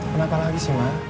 kenapa lagi sih ma